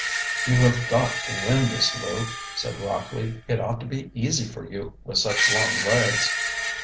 "You have got to win this, Lew," said Rockley. "It ought to be easy for you, with such long legs."